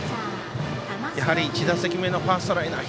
やはり１打席目のファーストライナー